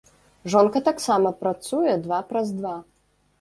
Жонка таксама працуе два праз два.